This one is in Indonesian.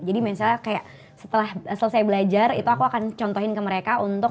jadi misalnya kayak setelah selesai belajar itu aku akan contohin ke mereka untuk